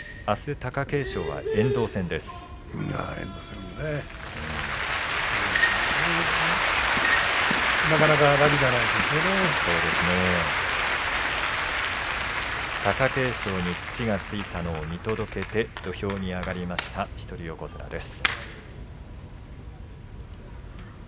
貴景勝に土がついたのを見届けて土俵に上がりました一人横綱です。